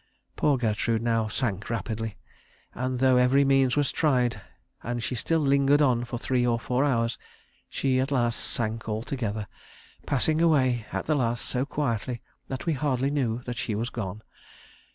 "Poor Gertrude now sank rapidly, and though every means was tried, and she still lingered on for three or four hours, she at last sank altogether, passing away at the last so quietly that we hardly knew that she was gone.